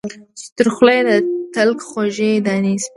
چي تر خوله یې د تلک خوږې دانې سوې